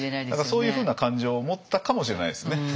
そういうふうな感情を持ったかもしれないですね。